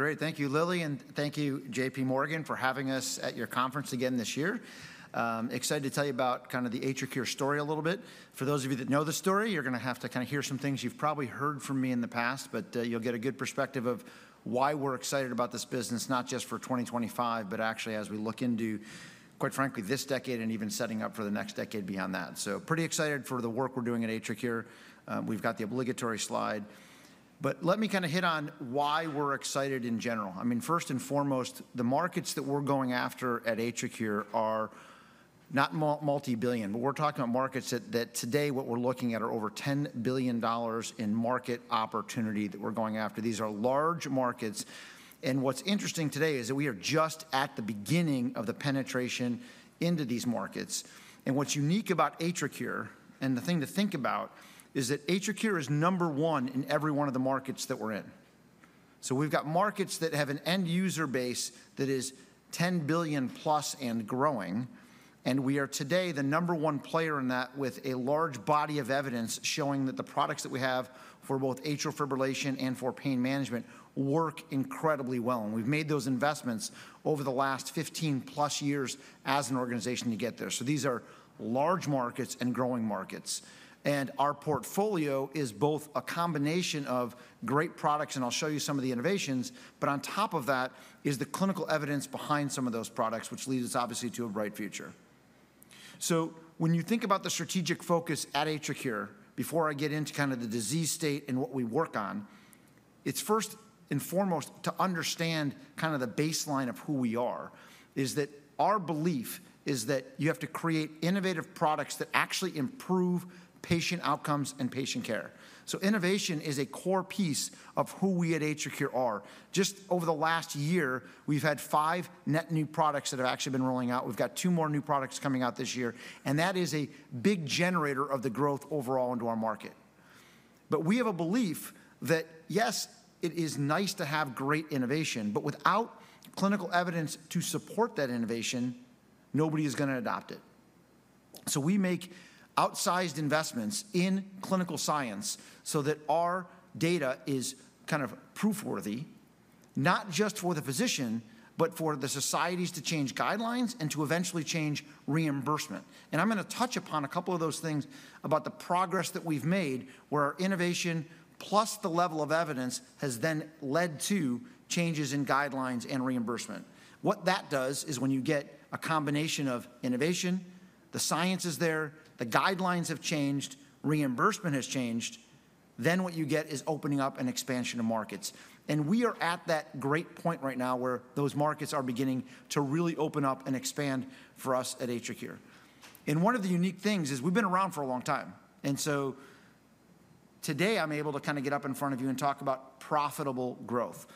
Great. Thank you, Lilia, and thank you, J.P. Morgan, for having us at your conference again this year. Excited to tell you about kind of the AtriCure story a little bit. For those of you that know the story, you're going to have to kind of hear some things you've probably heard from me in the past, but you'll get a good perspective of why we're excited about this business, not just for 2025, but actually as we look into, quite frankly, this decade and even setting up for the next decade beyond that. So pretty excited for the work we're doing at AtriCure. We've got the obligatory slide. But let me kind of hit on why we're excited in general. I mean, first and foremost, the markets that we're going after at AtriCure are not multibillion, but we're talking about markets that today what we're looking at are over $10 billion in market opportunity that we're going after. These are large markets, and what's interesting today is that we are just at the beginning of the penetration into these markets. And what's unique about AtriCure, and the thing to think about, is that AtriCure is number one in every one of the markets that we're in, so we've got markets that have an end user base that is 10 billion plus and growing. And we are today the number one player in that with a large body of evidence showing that the products that we have for both atrial fibrillation and for pain management work incredibly well. And we've made those investments over the last 15 plus years as an organization to get there. So these are large markets and growing markets. And our portfolio is both a combination of great products, and I'll show you some of the innovations, but on top of that is the clinical evidence behind some of those products, which leads us obviously to a bright future. So when you think about the strategic focus at AtriCure, before I get into kind of the disease state and what we work on, it's first and foremost to understand kind of the baseline of who we are, is that our belief is that you have to create innovative products that actually improve patient outcomes and patient care. So innovation is a core piece of who we at AtriCure are. Just over the last year, we've had five net new products that have actually been rolling out. We've got two more new products coming out this year, and that is a big generator of the growth overall into our market, but we have a belief that, yes, it is nice to have great innovation, but without clinical evidence to support that innovation, nobody is going to adopt it, so we make outsized investments in clinical science so that our data is kind of proofworthy, not just for the physician, but for the societies to change guidelines and to eventually change reimbursement, and I'm going to touch upon a couple of those things about the progress that we've made where our innovation plus the level of evidence has then led to changes in guidelines and reimbursement. What that does is when you get a combination of innovation, the science is there, the guidelines have changed, reimbursement has changed, then what you get is opening up an expansion of markets. And we are at that great point right now where those markets are beginning to really open up and expand for us at AtriCure. And one of the unique things is we've been around for a long time. And so today I'm able to kind of get up in front of you and talk about profitable growth.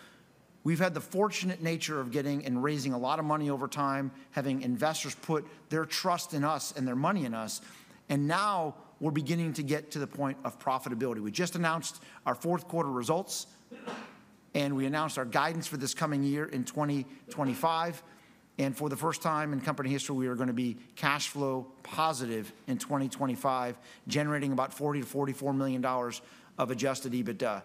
We've had the fortunate nature of getting and raising a lot of money over time, having investors put their trust in us and their money in us. And now we're beginning to get to the point of profitability. We just announced our fourth quarter results, and we announced our guidance for this coming year in 2025. For the first time in company history, we are going to be cash flow positive in 2025, generating about $40-$44 million of Adjusted EBITDA.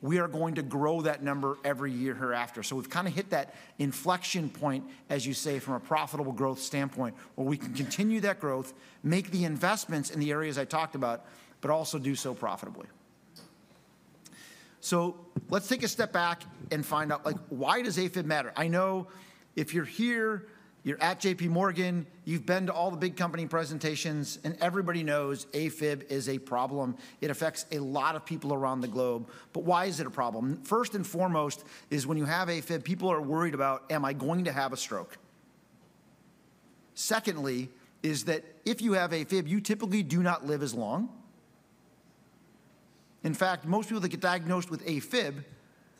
We are going to grow that number every year hereafter. We've kind of hit that inflection point, as you say, from a profitable growth standpoint, where we can continue that growth, make the investments in the areas I talked about, but also do so profitably. Let's take a step back and find out, why does AFib matter? I know if you're here, you're at J.P. Morgan, you've been to all the big company presentations, and everybody knows AFib is a problem. It affects a lot of people around the globe. But why is it a problem? First and foremost is when you have AFib, people are worried about, am I going to have a stroke? Secondly, that is if you have AFib, you typically do not live as long. In fact, most people that get diagnosed with AFib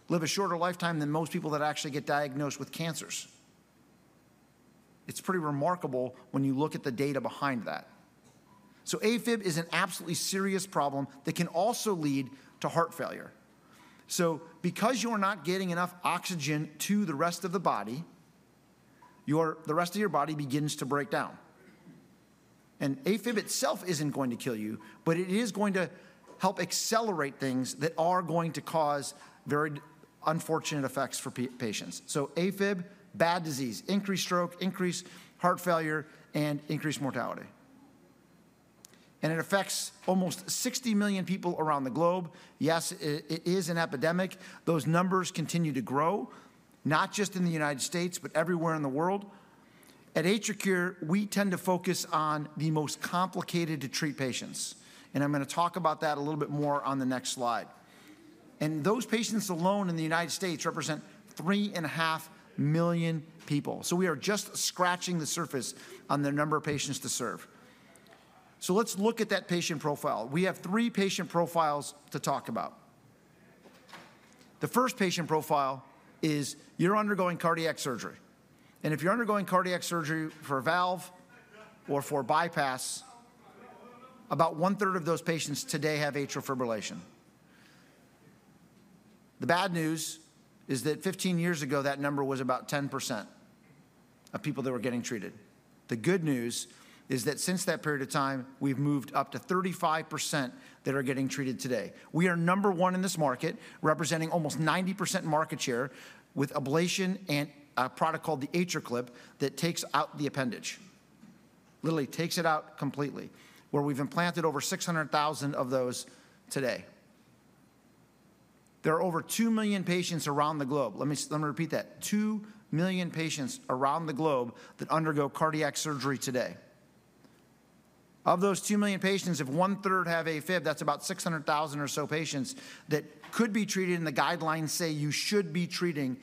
live a shorter lifetime than most people that actually get diagnosed with cancers. It's pretty remarkable when you look at the data behind that. AFib is an absolutely serious problem that can also lead to heart failure because you are not getting enough oxygen to the rest of the body, the rest of your body begins to break down. AFib itself isn't going to kill you, but it is going to help accelerate things that are going to cause very unfortunate effects for patients. AFib, bad disease, increased stroke, increased heart failure, and increased mortality. It affects almost 60 million people around the globe. Yes, it is an epidemic. Those numbers continue to grow, not just in the United States, but everywhere in the world. At AtriCure, we tend to focus on the most complicated to treat patients, and I'm going to talk about that a little bit more on the next slide. Those patients alone in the United States represent 3.5 million people, so we are just scratching the surface on the number of patients to serve. Let's look at that patient profile. We have three patient profiles to talk about. The first patient profile is you're undergoing cardiac surgery, and if you're undergoing cardiac surgery for a valve or for a bypass, about one third of those patients today have atrial fibrillation. The bad news is that 15 years ago, that number was about 10% of people that were getting treated. The good news is that since that period of time, we've moved up to 35% that are getting treated today. We are number one in this market, representing almost 90% market share with ablation and a product called the AtriClip that takes out the appendage. It takes it out completely, where we've implanted over 600,000 of those today. There are over 2 million patients around the globe. Let me repeat that. 2 million patients around the globe that undergo cardiac surgery today. Of those 2 million patients, if one third have AFib, that's about 600,000 or so patients that could be treated. In the guidelines, say you should be treating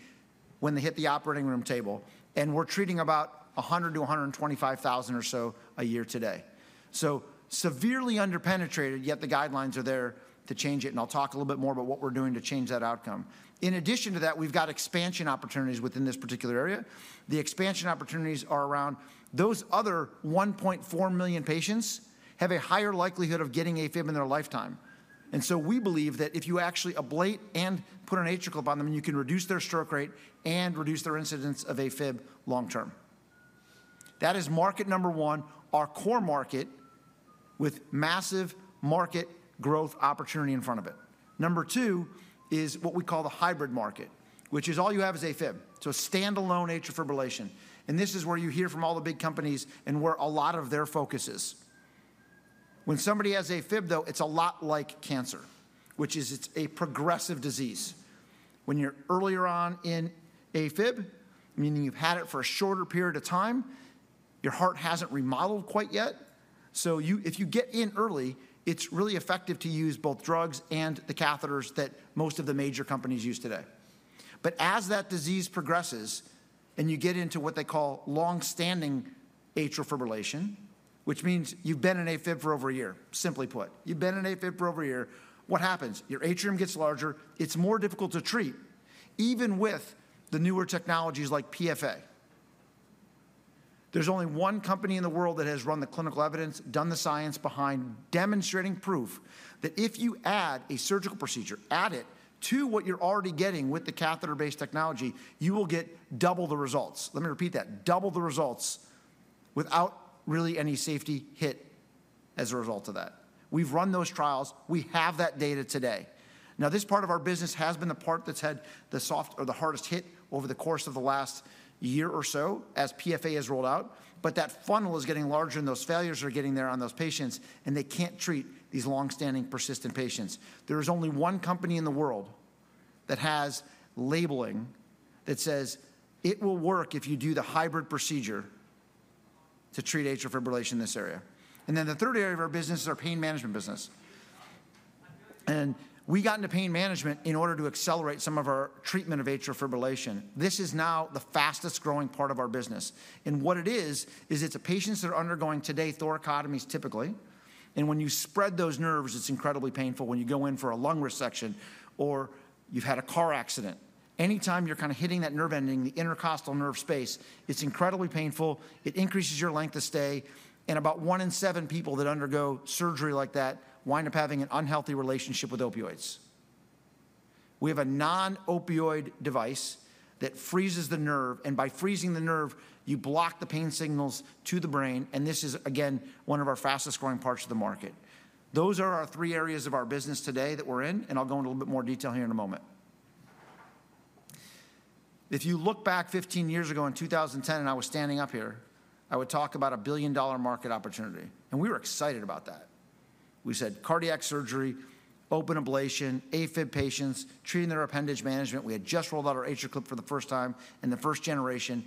when they hit the operating room table, and we're treating about 100-125,000 or so a year today, so severely underpenetrated, yet the guidelines are there to change it. And I'll talk a little bit more about what we're doing to change that outcome. In addition to that, we've got expansion opportunities within this particular area. The expansion opportunities are around those other 1.4 million patients have a higher likelihood of getting AFib in their lifetime. And so we believe that if you actually ablate and put an AtriClip on them, you can reduce their stroke rate and reduce their incidence of AFib long term. That is market number one, our core market with massive market growth opportunity in front of it. Number two is what we call the hybrid market, which is all you have is AFib. So standalone atrial fibrillation. And this is where you hear from all the big companies and where a lot of their focus is. When somebody has AFib, though, it's a lot like cancer, which is it's a progressive disease. When you're earlier on in AFib, meaning you've had it for a shorter period of time, your heart hasn't remodeled quite yet. So if you get in early, it's really effective to use both drugs and the catheters that most of the major companies use today. But as that disease progresses and you get into what they call longstanding atrial fibrillation, which means you've been in AFib for over a year, simply put, you've been in AFib for over a year, what happens? Your atrium gets larger. It's more difficult to treat, even with the newer technologies like PFA. There's only one company in the world that has run the clinical evidence, done the science behind, demonstrating proof that if you add a surgical procedure, add it to what you're already getting with the catheter-based technology, you will get double the results. Let me repeat that. Double the results without really any safety hit as a result of that. We've run those trials. We have that data today. Now, this part of our business has been the part that's had the soft or the hardest hit over the course of the last year or so as PFA has rolled out, but that funnel is getting larger and those failures are getting there on those patients, and they can't treat these longstanding persistent patients. There is only one company in the world that has labeling that says it will work if you do the hybrid procedure to treat atrial fibrillation in this area, and then the third area of our business is our pain management business, and we got into pain management in order to accelerate some of our treatment of atrial fibrillation. This is now the fastest growing part of our business. And what it is is it's patients that are undergoing today thoracotomies typically. And when you spread those nerves, it's incredibly painful when you go in for a lung resection or you've had a car accident. Anytime you're kind of hitting that nerve ending, the intercostal nerve space, it's incredibly painful. It increases your length of stay. And about one in seven people that undergo surgery like that wind up having an unhealthy relationship with opioids. We have a non-opioid device that freezes the nerve. And by freezing the nerve, you block the pain signals to the brain. And this is, again, one of our fastest growing parts of the market. Those are our three areas of our business today that we're in. And I'll go into a little bit more detail here in a moment. If you look back 15 years ago in 2010 and I was standing up here, I would talk about a $1 billion market opportunity. We were excited about that. We said cardiac surgery, open ablation, AFib patients, treating their appendage management. We had just rolled out our AtriClip for the first time in the first generation.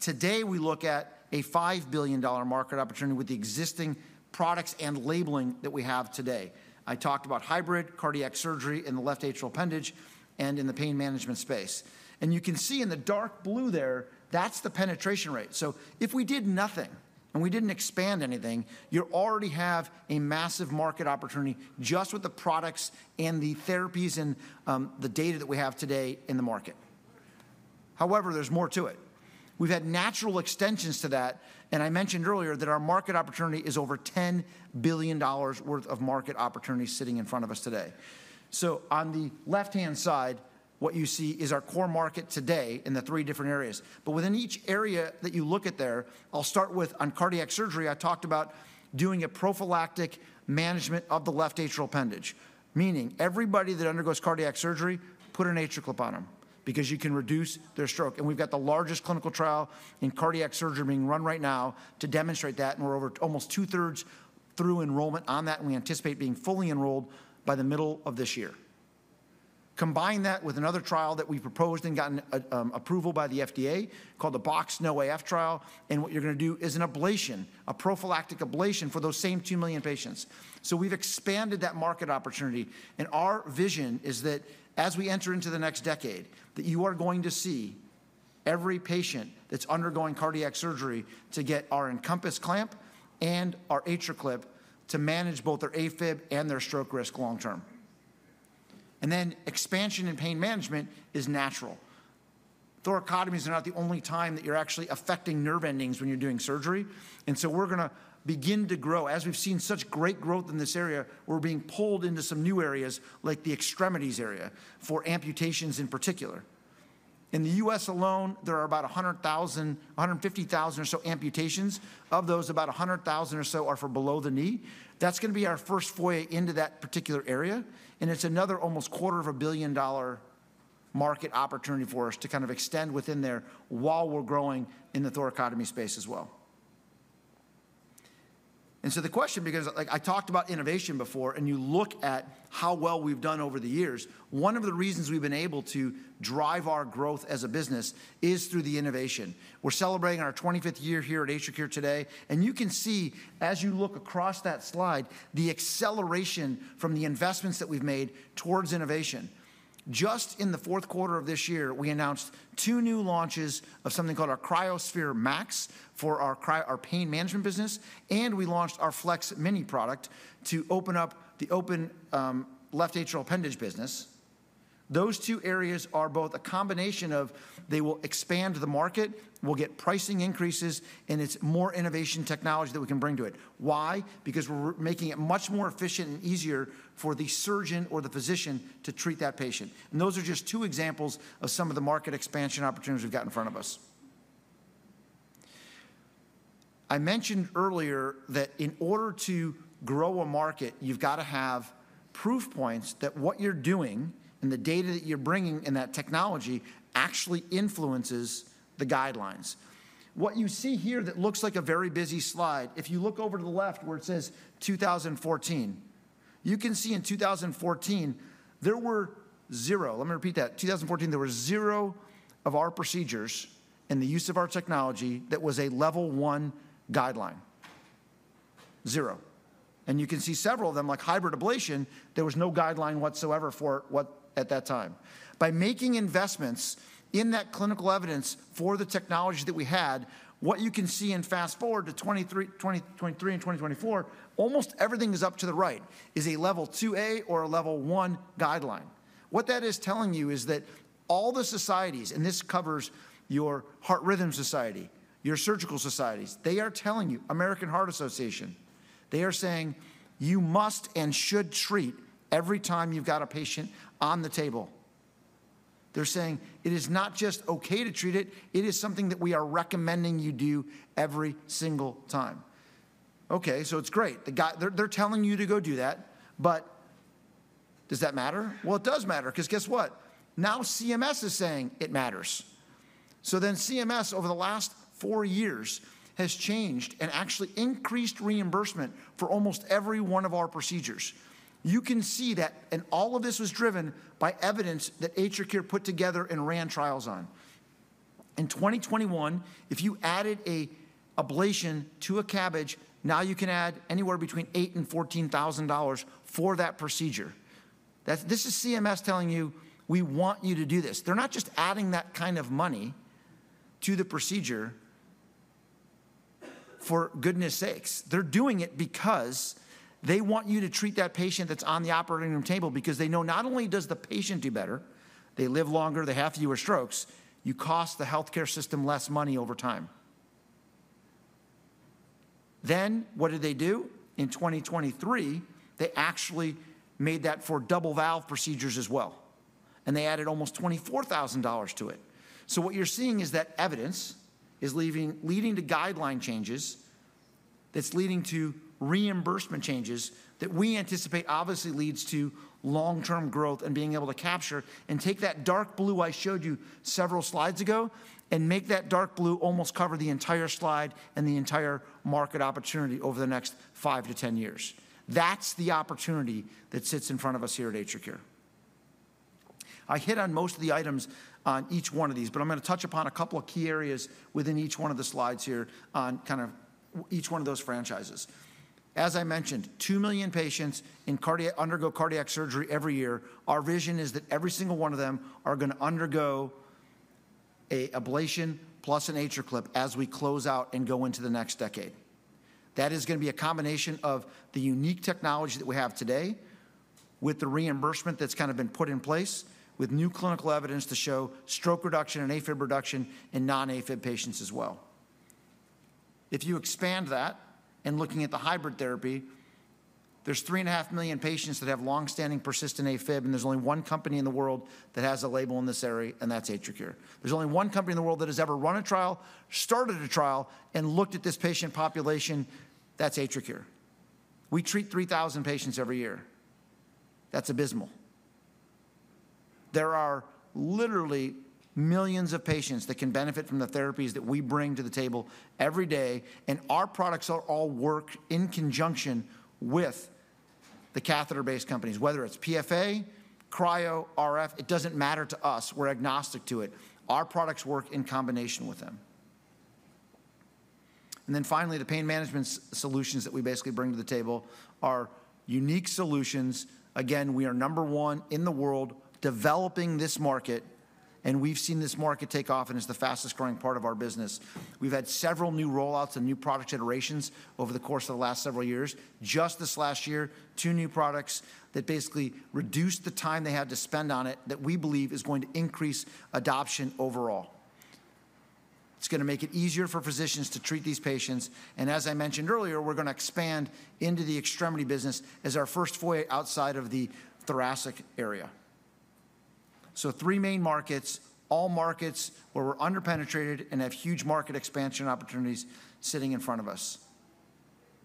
Today, we look at a $5 billion market opportunity with the existing products and labeling that we have today. I talked about hybrid cardiac surgery in the left atrial appendage and in the pain management space. You can see in the dark blue there, that's the penetration rate. If we did nothing and we didn't expand anything, you already have a massive market opportunity just with the products and the therapies and the data that we have today in the market. However, there's more to it. We've had natural extensions to that. I mentioned earlier that our market opportunity is over $10 billion worth of market opportunity sitting in front of us today. So on the left-hand side, what you see is our core market today in the three different areas. But within each area that you look at there, I'll start with on cardiac surgery. I talked about doing a prophylactic management of the left atrial appendage, meaning everybody that undergoes cardiac surgery, put an AtriClip on them because you can reduce their stroke. And we've got the largest clinical trial in cardiac surgery being run right now to demonstrate that. And we're over almost two-thirds through enrollment on that. And we anticipate being fully enrolled by the middle of this year. Combine that with another trial that we proposed and gotten approval by the FDA called the BOX-NO-AF Trial. And what you're going to do is an ablation, a prophylactic ablation for those same 2 million patients. So we've expanded that market opportunity. And our vision is that as we enter into the next decade, that you are going to see every patient that's undergoing cardiac surgery to get our Encompass clamp and our AtriClip to manage both their AFib and their stroke risk long term. And then expansion and pain management is natural. Thoracotomies are not the only time that you're actually affecting nerve endings when you're doing surgery. And so we're going to begin to grow. As we've seen such great growth in this area, we're being pulled into some new areas like the extremities area for amputations in particular. In the U.S. alone, there are about 100,000-150,000 or so amputations. Of those, about 100,000 or so are for below the knee. That's going to be our first foray into that particular area. It's another almost $250 million market opportunity for us to kind of extend within there while we're growing in the thoracotomy space as well. So the question, because I talked about innovation before and you look at how well we've done over the years, one of the reasons we've been able to drive our growth as a business is through the innovation. We're celebrating our 25th year here at AtriCure today. You can see as you look across that slide, the acceleration from the investments that we've made towards innovation. Just in the fourth quarter of this year, we announced two new launches of something called our cryoSPHERE MAX for our pain management business. We launched our FLEX Mini product to open up the open left atrial appendage business. Those two areas are both a combination of they will expand the market, we'll get pricing increases, and it's more innovation technology that we can bring to it. Why? Because we're making it much more efficient and easier for the surgeon or the physician to treat that patient. And those are just two examples of some of the market expansion opportunities we've got in front of us. I mentioned earlier that in order to grow a market, you've got to have proof points that what you're doing and the data that you're bringing in that technology actually influences the guidelines. What you see here that looks like a very busy slide, if you look over to the left where it says 2014, you can see in 2014, there were zero. Let me repeat that. 2014, there were zero of our procedures and the use of our technology that was a level one guideline. Zero. And you can see several of them like hybrid ablation, there was no guideline whatsoever for it at that time. By making investments in that clinical evidence for the technology that we had, what you can see and fast forward to 2023 and 2024, almost everything is up to the right is a level 2A or a level one guideline. What that is telling you is that all the societies, and this covers your Heart Rhythm Society, your surgical societies, they are telling you, American Heart Association, they are saying you must and should treat every time you've got a patient on the table. They're saying it is not just okay to treat it, it is something that we are recommending you do every single time. Okay, so it's great. They're telling you to go do that, but does that matter? Well, it does matter because guess what? Now CMS is saying it matters. So then CMS over the last four years has changed and actually increased reimbursement for almost every one of our procedures. You can see that, and all of this was driven by evidence that AtriCure put together and ran trials on. In 2021, if you added an ablation to a CABG, now you can add anywhere between $8,000 and $14,000 for that procedure. This is CMS telling you, we want you to do this. They're not just adding that kind of money to the procedure for goodness sakes. They're doing it because they want you to treat that patient that's on the operating room table because they know not only does the patient do better, they live longer, they have fewer strokes, you cost the healthcare system less money over time. Then what did they do? In 2023, they actually made that for double valve procedures as well. And they added almost $24,000 to it. So what you're seeing is that evidence is leading to guideline changes that's leading to reimbursement changes that we anticipate obviously leads to long-term growth and being able to capture and take that dark blue I showed you several slides ago and make that dark blue almost cover the entire slide and the entire market opportunity over the next 5 to 10 years. That's the opportunity that sits in front of us here at AtriCure. I hit on most of the items on each one of these, but I'm going to touch upon a couple of key areas within each one of the slides here on kind of each one of those franchises. As I mentioned, two million patients undergo cardiac surgery every year. Our vision is that every single one of them are going to undergo an ablation plus an AtriClip as we close out and go into the next decade. That is going to be a combination of the unique technology that we have today with the reimbursement that's kind of been put in place with new clinical evidence to show stroke reduction and AFib reduction in non-AFib patients as well. If you expand that and, looking at the hybrid therapy, there's 3.5 million patients that have longstanding persistent AFib, and there's only one company in the world that has a label in this area, and that's AtriCure. There's only one company in the world that has ever run a trial, started a trial, and looked at this patient population; that's AtriCure. We treat 3,000 patients every year. That's abysmal. There are literally millions of patients that can benefit from the therapies that we bring to the table every day, and our products all work in conjunction with the catheter-based companies, whether it's PFA, cryo, RF; it doesn't matter to us. We're agnostic to it. Our products work in combination with them, and then finally, the pain management solutions that we basically bring to the table are unique solutions. Again, we are number one in the world developing this market, and we've seen this market take off, and it's the fastest growing part of our business. We've had several new rollouts and new product iterations over the course of the last several years. Just this last year, two new products that basically reduced the time they had to spend on it that we believe is going to increase adoption overall. It's going to make it easier for physicians to treat these patients. And as I mentioned earlier, we're going to expand into the extremity business as our first foray outside of the thoracic area. So three main markets, all markets where we're underpenetrated and have huge market expansion opportunities sitting in front of us.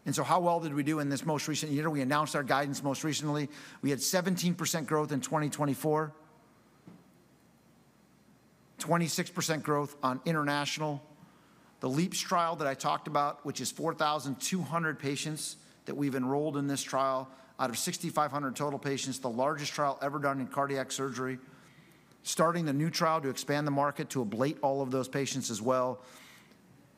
And so how well did we do in this most recent year? We announced our guidance most recently. We had 17% growth in 2024, 26% growth on international. The LEAPS trial that I talked about, which is 4,200 patients that we've enrolled in this trial out of 6,500 total patients, the largest trial ever done in cardiac surgery. Starting the new trial to expand the market to ablate all of those patients as well,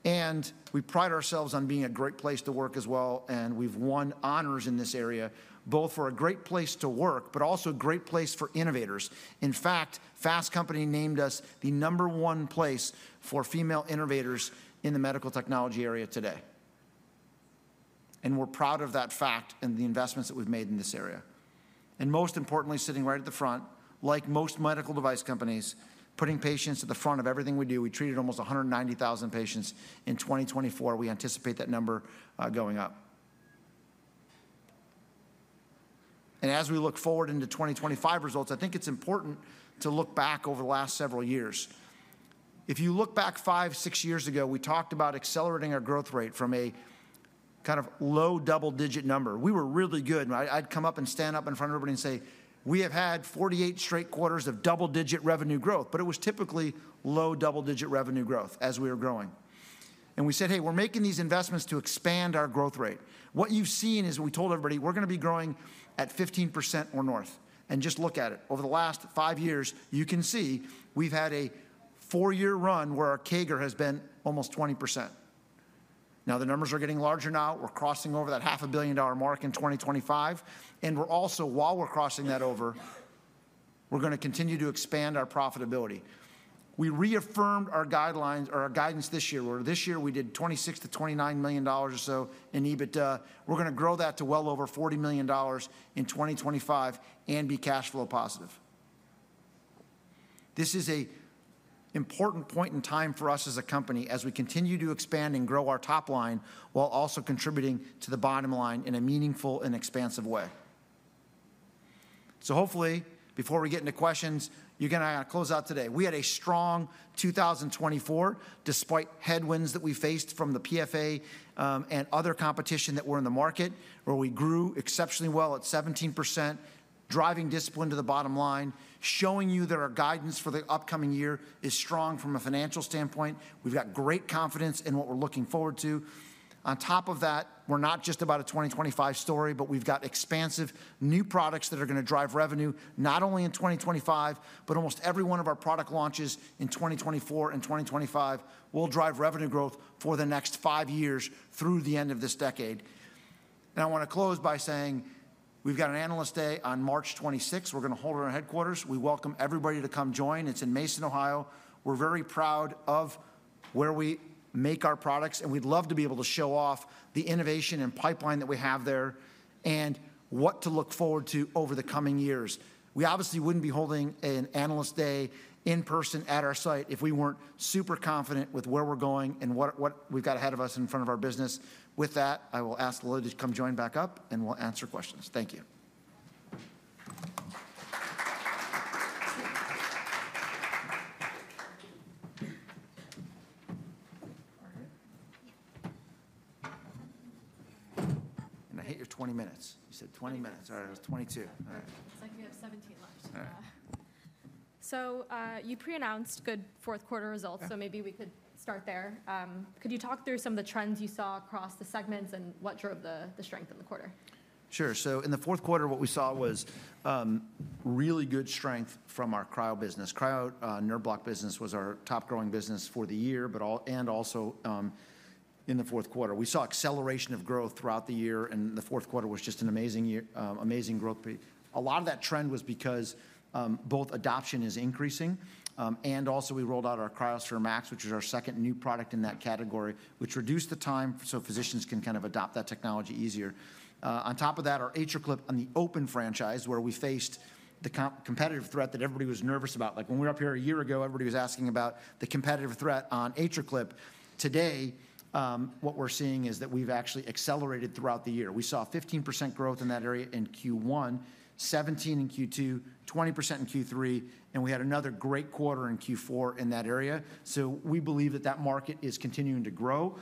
and we pride ourselves on being a great place to work as well, and we've won honors in this area, both for a great place to work, but also a great place for innovators. In fact, Fast Company named us the number one place for female innovators in the medical technology area today, and we're proud of that fact and the investments that we've made in this area, and most importantly, sitting right at the front, like most medical device companies, putting patients at the front of everything we do. We treated almost 190,000 patients in 2024. We anticipate that number going up, and as we look forward into 2025 results, I think it's important to look back over the last several years. If you look back five, six years ago, we talked about accelerating our growth rate from a kind of low double-digit number. We were really good. I'd come up and stand up in front of everybody and say, we have had 48 straight quarters of double-digit revenue growth, but it was typically low double-digit revenue growth as we were growing, and we said, hey, we're making these investments to expand our growth rate. What you've seen is we told everybody we're going to be growing at 15% or north, and just look at it. Over the last five years, you can see we've had a four-year run where our CAGR has been almost 20%. Now the numbers are getting larger now. We're crossing over that $500 million mark in 2025, and we're also, while we're crossing that over, we're going to continue to expand our profitability. We reaffirmed our guidelines or our guidance this year where this year we did $26 million-$29 million or so in EBITDA. We're going to grow that to well over $40 million in 2025 and be cash flow positive. This is an important point in time for us as a company as we continue to expand and grow our top line while also contributing to the bottom line in a meaningful and expansive way, so hopefully, before we get into questions, you're going to close out today. We had a strong 2024 despite headwinds that we faced from the PFA and other competition that were in the market. We grew exceptionally well at 17%, driving discipline to the bottom line, showing you that our guidance for the upcoming year is strong from a financial standpoint. We've got great confidence in what we're looking forward to. On top of that, we're not just about a 2025 story, but we've got expansive new products that are going to drive revenue not only in 2025, but almost every one of our product launches in 2024 and 2025 will drive revenue growth for the next five years through the end of this decade. I want to close by saying we've got an analyst day on March 26th. We're going to hold it at our headquarters. We welcome everybody to come join. It's in Mason, Ohio. We're very proud of where we make our products, and we'd love to be able to show off the innovation and pipeline that we have there and what to look forward to over the coming years. We obviously wouldn't be holding an analyst day in person at our site if we weren't super confident with where we're going and what we've got ahead of us in front of our business. With that, I will ask Lilia to come join back up and we'll answer questions. Thank you. And I hate your 20 minutes. You said 20 minutes. All right, it was 22. All right. It's like we have 17 left. So you pre-announced good fourth quarter results, so maybe we could start there. Could you talk through some of the trends you saw across the segments and what drove the strength in the quarter? Sure.So in the fourth quarter, what we saw was really good strength from our cryo business. Cryo nerve block business was our top growing business for the year and also in the fourth quarter. We saw acceleration of growth throughout the year, and the fourth quarter was just an amazing growth. A lot of that trend was because both adoption is increasing, and also we rolled out our cryoSPHERE MAX, which is our second new product in that category, which reduced the time so physicians can kind of adopt that technology easier. On top of that, our AtriClip on the open franchise where we faced the competitive threat that everybody was nervous about. Like when we were up here a year ago, everybody was asking about the competitive threat on AtriClip. Today, what we're seeing is that we've actually accelerated throughout the year. We saw 15% growth in that area in Q1, 17% in Q2, 20% in Q3, and we had another great quarter in Q4 in that area. So we believe that that market is continuing to grow,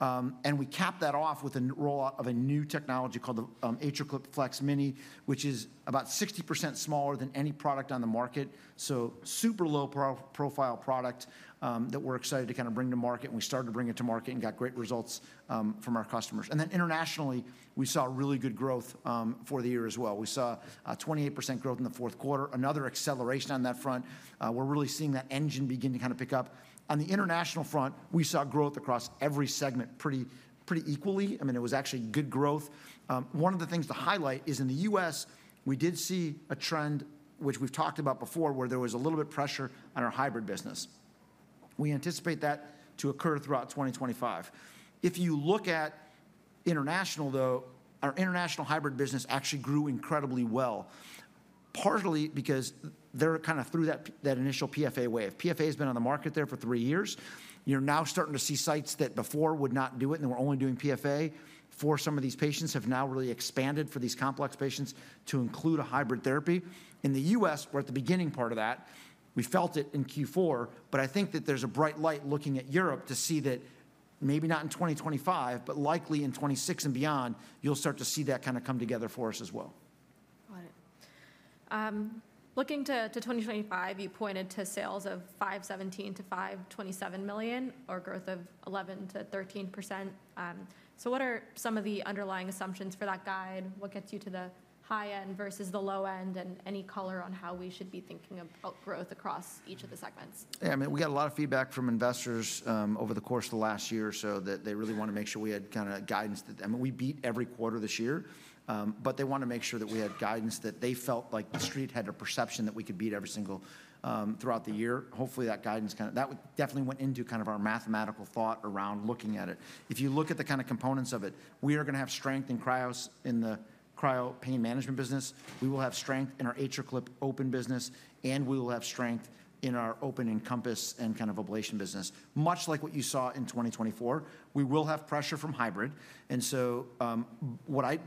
and we capped that off with a roll-out of a new technology called the AtriClip FLEX Mini, which is about 60% smaller than any product on the market, so super low profile product that we're excited to kind of bring to market, and we started to bring it to market and got great results from our customers. And then internationally, we saw really good growth for the year as well. We saw 28% growth in the fourth quarter, another acceleration on that front. We're really seeing that engine begin to kind of pick up. On the international front, we saw growth across every segment pretty equally. I mean, it was actually good growth. One of the things to highlight is in the U.S., we did see a trend which we've talked about before where there was a little bit of pressure on our hybrid business. We anticipate that to occur throughout 2025. If you look at international, though, our international hybrid business actually grew incredibly well, partly because they're kind of through that initial PFA wave. PFA has been on the market there for three years. You're now starting to see sites that before would not do it, and they were only doing PFA for some of these patients have now really expanded for these complex patients to include a hybrid therapy. In the U.S., we're at the beginning part of that. We felt it in Q4, but I think that there's a bright light looking at Europe to see that maybe not in 2025, but likely in 2026 and beyond, you'll start to see that kind of come together for us as well. Got it. Looking to 2025, you pointed to sales of $517 million-$527 million or growth of 11%-13%. So what are some of the underlying assumptions for that guide? What gets you to the high end versus the low end and any color on how we should be thinking about growth across each of the segments? Yeah, I mean, we got a lot of feedback from investors over the course of the last year or so that they really want to make sure we had kind of guidance that, I mean, we beat every quarter this year, but they want to make sure that we had guidance that they felt like the street had a perception that we could beat every single throughout the year. Hopefully, that guidance kind of, that definitely went into kind of our mathematical thought around looking at it. If you look at the kind of components of it, we are going to have strength in cryo pain management business. We will have strength in our AtriClip open business, and we will have strength in our open Encompass and kind of ablation business, much like what you saw in 2024. We will have pressure from hybrid. And so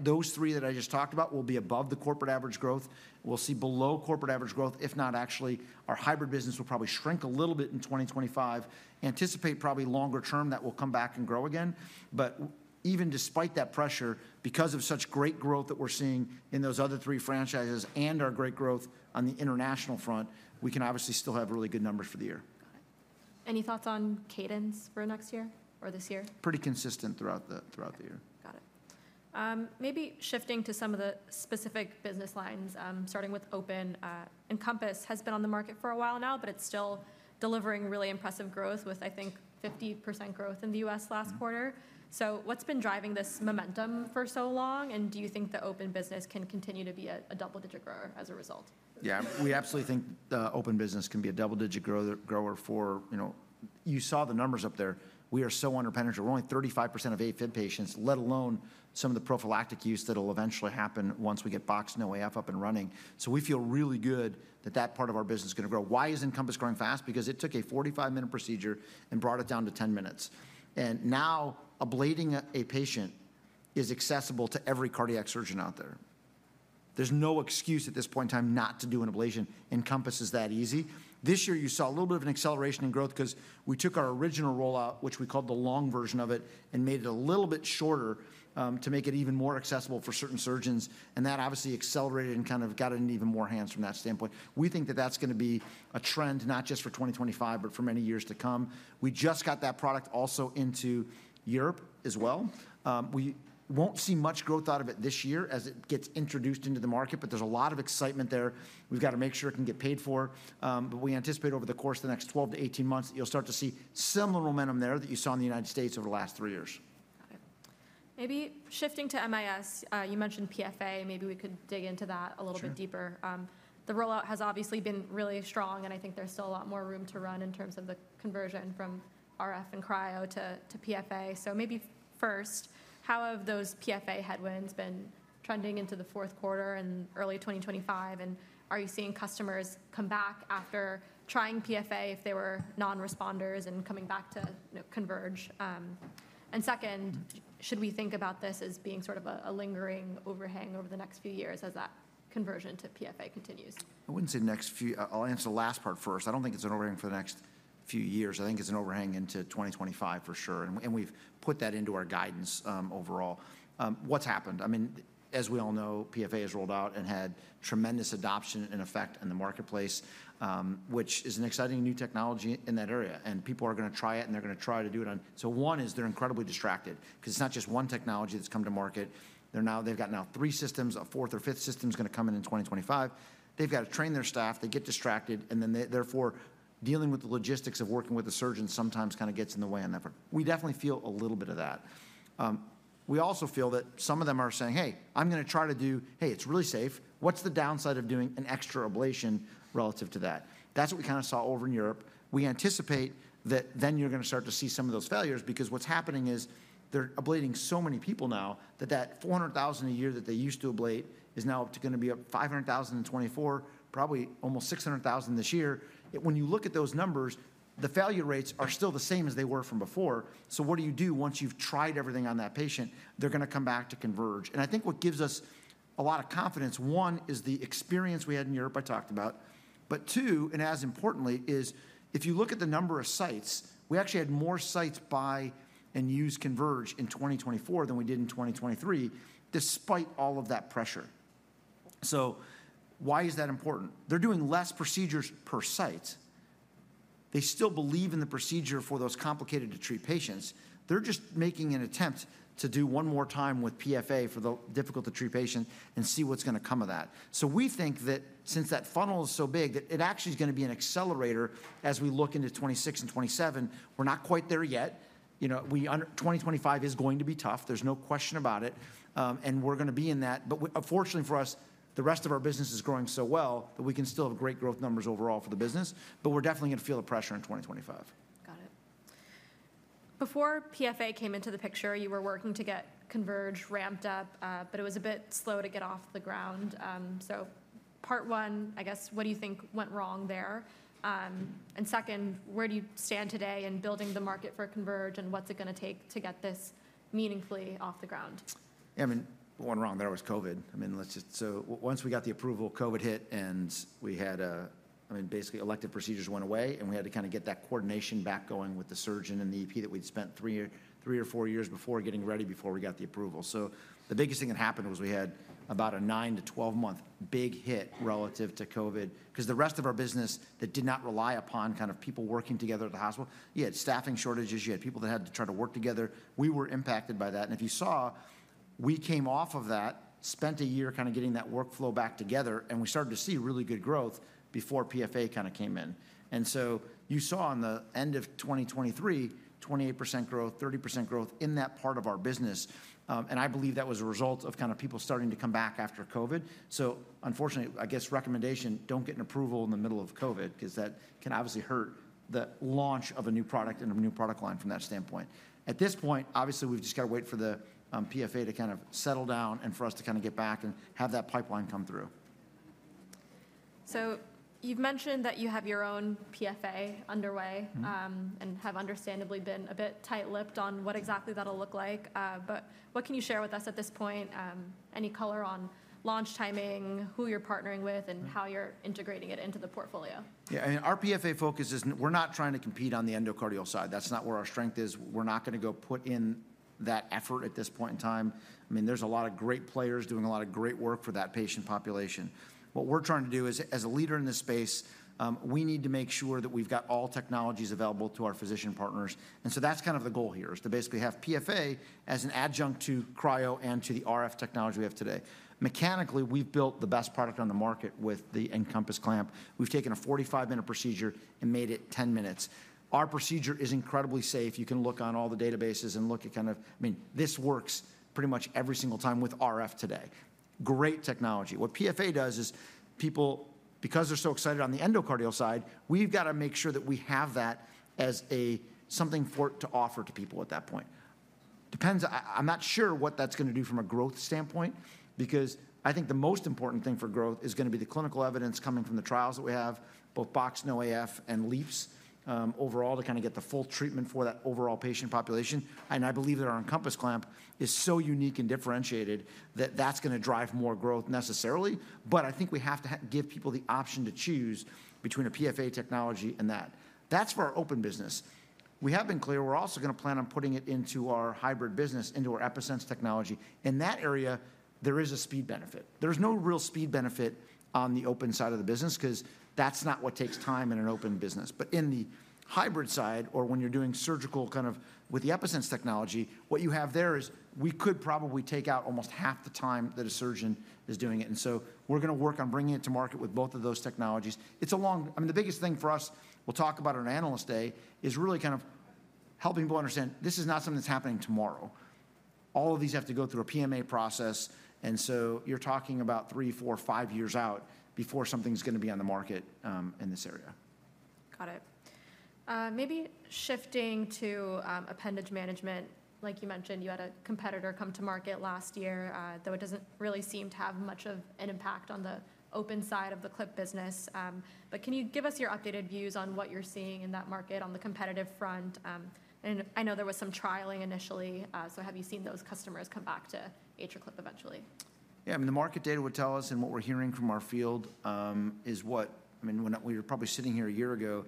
those three that I just talked about will be above the corporate average growth. We'll see below corporate average growth, if not actually, our hybrid business will probably shrink a little bit in 2025. Anticipate probably longer term that will come back and grow again. But even despite that pressure, because of such great growth that we're seeing in those other three franchises and our great growth on the international front, we can obviously still have really good numbers for the year. Got it. Any thoughts on cadence for next year or this year? Pretty consistent throughout the year. Got it. Maybe shifting to some of the specific business lines, starting with open. Encompass has been on the market for a while now, but it's still delivering really impressive growth with, I think, 50% growth in the U.S. last quarter. So what's been driving this momentum for so long? And do you think the open business can continue to be a double-digit grower as a result? Yeah, we absolutely think the open business can be a double-digit grower for, you know, you saw the numbers up there. We are so underpenetrated. We're only 35% of AFib patients, let alone some of the prophylactic use that will eventually happen once we get BOX-NO-AF up and running. So we feel really good that that part of our business is going to grow. Why is Encompass growing fast? Because it took a 45-minute procedure and brought it down to 10 minutes. And now ablating a patient is accessible to every cardiac surgeon out there. There's no excuse at this point in time not to do an ablation. Encompass is that easy. This year, you saw a little bit of an acceleration in growth because we took our original rollout, which we called the long version of it, and made it a little bit shorter to make it even more accessible for certain surgeons, and that obviously accelerated and kind of got it in even more hands from that standpoint. We think that that's going to be a trend not just for 2025, but for many years to come. We just got that product also into Europe as well. We won't see much growth out of it this year as it gets introduced into the market, but there's a lot of excitement there. We've got to make sure it can get paid for. But we anticipate over the course of the next 12 to 18 months, you'll start to see similar momentum there that you saw in the United States over the last three years. Got it. Maybe shifting to MIS, you mentioned PFA. Maybe we could dig into that a little bit deeper. The rollout has obviously been really strong, and I think there's still a lot more room to run in terms of the conversion from RF and cryo to PFA. So maybe first, how have those PFA headwinds been trending into the fourth quarter and early 2025? And are you seeing customers come back after trying PFA if they were non-responders and coming back to Converge? And second, should we think about this as being sort of a lingering overhang over the next few years as that conversion to PFA continues? I wouldn't say next few. I'll answer the last part first. I don't think it's an overhang for the next few years. I think it's an overhang into 2025 for sure, and we've put that into our guidance overall. What's happened? I mean, as we all know, PFA has rolled out and had tremendous adoption and effect in the marketplace, which is an exciting new technology in that area, and people are going to try it, and they're going to try to do it on. So one is they're incredibly distracted because it's not just one technology that's come to market. They've got now three systems. A fourth or fifth system is going to come in in 2025. They've got to train their staff. They get distracted, and then therefore dealing with the logistics of working with the surgeon sometimes kind of gets in the way on that. We definitely feel a little bit of that. We also feel that some of them are saying, hey, I'm going to try to do, hey, it's really safe. What's the downside of doing an extra ablation relative to that? That's what we kind of saw over in Europe. We anticipate that then you're going to start to see some of those failures because what's happening is they're ablating so many people now that that 400,000 a year that they used to ablate is now going to be up 500,000 in 2024, probably almost 600,000 this year. When you look at those numbers, the failure rates are still the same as they were from before. So what do you do once you've tried everything on that patient? They're going to come back to Converge. I think what gives us a lot of confidence, one is the experience we had in Europe I talked about. Two, and as importantly, is if you look at the number of sites, we actually had more sites buy and use Converge in 2024 than we did in 2023, despite all of that pressure. Why is that important? They're doing less procedures per site. They still believe in the procedure for those complicated to treat patients. They're just making an attempt to do one more time with PFA for the difficult to treat patient and see what's going to come of that. We think that since that funnel is so big, that it actually is going to be an accelerator as we look into 2026 and 2027. We're not quite there yet. You know, 2025 is going to be tough. There's no question about it. And we're going to be in that. But fortunately for us, the rest of our business is growing so well that we can still have great growth numbers overall for the business. But we're definitely going to feel the pressure in 2025. Got it. Before PFA came into the picture, you were working to get Converge ramped up, but it was a bit slow to get off the ground. So part one, I guess, what do you think went wrong there? And second, where do you stand today in building the market for Converge and what's it going to take to get this meaningfully off the ground? Yeah, I mean, one wrong there was COVID.I mean, let's just, so once we got the approval, COVID hit and we had, I mean, basically elective procedures went away and we had to kind of get that coordination back going with the surgeon and the EP that we'd spent three or four years before getting ready before we got the approval. So the biggest thing that happened was we had about a 9- to 12-month big hit relative to COVID because the rest of our business that did not rely upon kind of people working together at the hospital, you had staffing shortages, you had people that had to try to work together. We were impacted by that, and if you saw, we came off of that, spent a year kind of getting that workflow back together, and we started to see really good growth before PFA kind of came in. And so you saw on the end of 2023, 28% growth, 30% growth in that part of our business. And I believe that was a result of kind of people starting to come back after COVID. So unfortunately, I guess recommendation, don't get an approval in the middle of COVID because that can obviously hurt the launch of a new product and a new product line from that standpoint. At this point, obviously, we've just got to wait for the PFA to kind of settle down and for us to kind of get back and have that pipeline come through. So you've mentioned that you have your own PFA underway and have understandably been a bit tight-lipped on what exactly that'll look like. But what can you share with us at this point? Any color on launch timing, who you're partnering with, and how you're integrating it into the portfolio? Yeah, I mean, our PFA focus is, we're not trying to compete on the endocardial side. That's not where our strength is. We're not going to go put in that effort at this point in time. I mean, there's a lot of great players doing a lot of great work for that patient population. What we're trying to do is, as a leader in this space, we need to make sure that we've got all technologies available to our physician partners. And so that's kind of the goal here is to basically have PFA as an adjunct to cryo and to the RF technology we have today. Mechanically, we've built the best product on the market with the Encompass clamp. We've taken a 45-minute procedure and made it 10 minutes. Our procedure is incredibly safe. You can look on all the databases and look at kind of, I mean, this works pretty much every single time with RF today. Great technology. What PFA does is people, because they're so excited on the endocardial side, we've got to make sure that we have that as something for it to offer to people at that point. Depends, I'm not sure what that's going to do from a growth standpoint because I think the most important thing for growth is going to be the clinical evidence coming from the trials that we have, both BOX-NO-AF and LEAPS overall to kind of get the full treatment for that overall patient population. And I believe that our Encompass clamp is so unique and differentiated that that's going to drive more growth necessarily. But I think we have to give people the option to choose between a PFA technology and that. That's for our open business. We have been clear. We're also going to plan on putting it into our hybrid business, into our EpiSense technology. In that area, there is a speed benefit. There's no real speed benefit on the open side of the business because that's not what takes time in an open business. But in the hybrid side, or when you're doing surgical kind of with the EpiSense technology, what you have there is we could probably take out almost half the time that a surgeon is doing it. And so we're going to work on bringing it to market with both of those technologies. It's a long, I mean, the biggest thing for us, we'll talk about it on analyst day, is really kind of helping people understand this is not something that's happening tomorrow. All of these have to go through a PMA process. And so you're talking about three, four, five years out before something's going to be on the market in this area. Got it. Maybe shifting to appendage management. Like you mentioned, you had a competitor come to market last year, though it doesn't really seem to have much of an impact on the open side of the AtriClip business. But can you give us your updated views on what you're seeing in that market on the competitive front? And I know there was some trialing initially. So have you seen those customers come back to AtriClip eventually? Yeah, I mean, the market data would tell us, and what we're hearing from our field is what, I mean, when we were probably sitting here a year ago,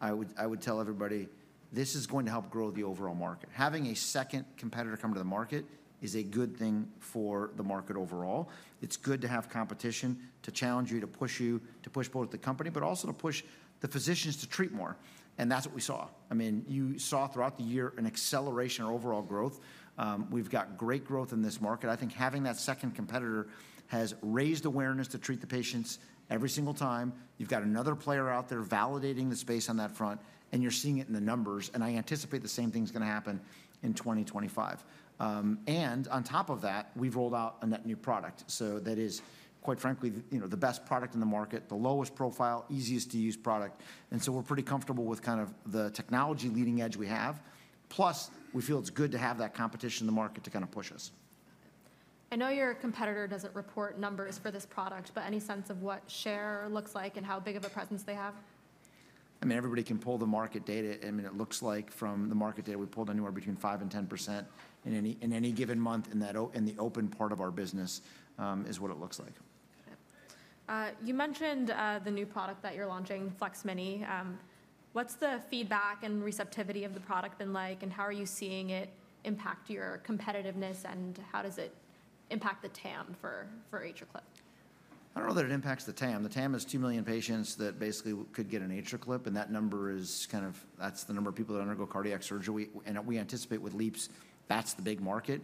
I would tell everybody, this is going to help grow the overall market. Having a second competitor come to the market is a good thing for the market overall. It's good to have competition to challenge you, to push you, to push both the company, but also to push the physicians to treat more. And that's what we saw. I mean, you saw throughout the year an acceleration or overall growth. We've got great growth in this market. I think having that second competitor has raised awareness to treat the patients every single time. You've got another player out there validating the space on that front, and you're seeing it in the numbers. And I anticipate the same thing is going to happen in 2025. And on top of that, we've rolled out a net new product. So that is, quite frankly, you know, the best product in the market, the lowest profile, easiest to use product. And so we're pretty comfortable with kind of the technology leading edge we have. Plus, we feel it's good to have that competition in the market to kind of push us. I know your competitor doesn't report numbers for this product, but any sense of what share looks like and how big of a presence they have? I mean, everybody can pull the market data. I mean, it looks like from the market data, we pulled anywhere between 5%-10% in any given month in the open part of our business is what it looks like. You mentioned the new product that you're launching, FlexMini. What's the feedback and receptivity of the product been like, and how are you seeing it impact your competitiveness, and how does it impact the TAM for AtriClip? I don't know that it impacts the TAM. The TAM is 2 million patients that basically could get an AtriClip, and that number is kind of, that's the number of people that undergo cardiac surgery. And we anticipate with LEAPS, that's the big market.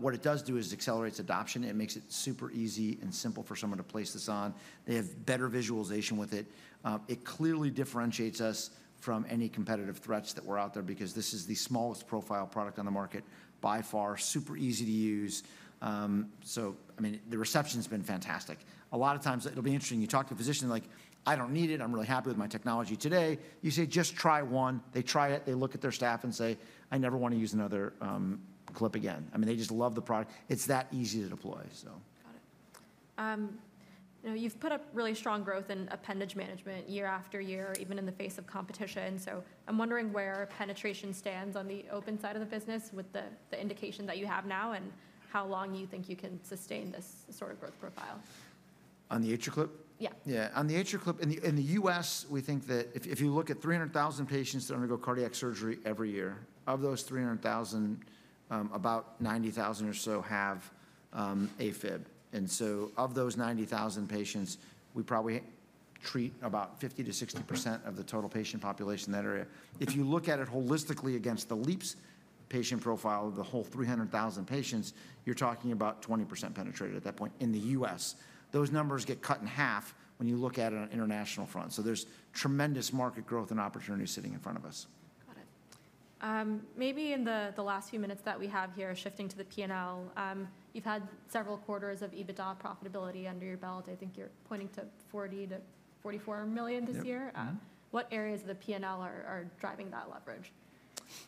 What it does do is accelerates adoption. It makes it super easy and simple for someone to place this on. They have better visualization with it. It clearly differentiates us from any competitive threats that were out there because this is the smallest profile product on the market by far, super easy to use. So, I mean, the reception has been fantastic. A lot of times it'll be interesting. You talk to a physician like, I don't need it. I'm really happy with my technology today. You say, just try one. They try it. They look at their staff and say, I never want to use another clip again. I mean, they just love the product. It's that easy to deploy. Got it. You've put up really strong growth in appendage management year after year, even in the face of competition. So I'm wondering where penetration stands on the open side of the business with the indication that you have now and how long you think you can sustain this sort of growth profile. On the AtriClip? Yeah. Yeah. On the AtriClip, in the U.S., we think that if you look at 300,000 patients that undergo cardiac surgery every year, of those 300,000, about 90,000 or so have AFib. And so of those 90,000 patients, we probably treat about 50%-60% of the total patient population in that area. If you look at it holistically against the LEAPS patient profile of the whole 300,000 patients, you're talking about 20% penetrated at that point in the U.S. Those numbers get cut in half when you look at it on an international front. So there's tremendous market growth and opportunity sitting in front of us. Got it. Maybe in the last few minutes that we have here, shifting to the P&L, you've had several quarters of EBITDA profitability under your belt. I think you're pointing to $40 million-$44 million this year. What areas of the P&L are driving that leverage?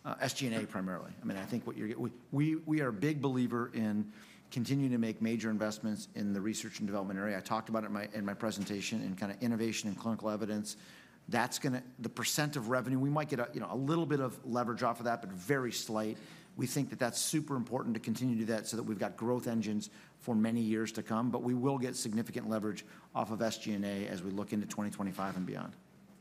SG&A primarily. I mean, I think what you're getting, we are a big believer in continuing to make major investments in the research and development area. I talked about it in my presentation and kind of innovation and clinical evidence. That's going to the percent of revenue; we might get a little bit of leverage off of that, but very slight. We think that that's super important to continue to do that so that we've got growth engines for many years to come. But we will get significant leverage off of SG&A as we look into 2025 and beyond.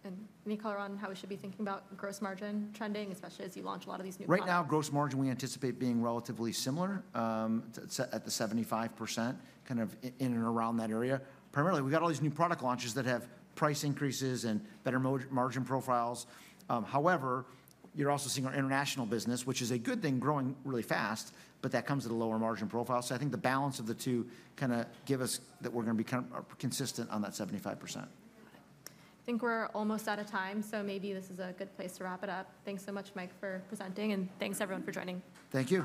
And any color on how we should be thinking about gross margin trending, especially as you launch a lot of these new products? Right now, gross margin we anticipate being relatively similar at the 75% kind of in and around that area. Primarily, we've got all these new product launches that have price increases and better margin profiles. However, you're also seeing our international business, which is a good thing, growing really fast, but that comes at a lower margin profile. So I think the balance of the two kind of gives us that we're going to be kind of consistent on that 75%. I think we're almost out of time. So maybe this is a good place to wrap it up. Thanks so much, Mike, for presenting, and thanks everyone for joining. Thank you.